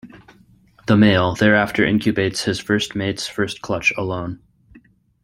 The male thereafter incubates his first mate's first clutch alone.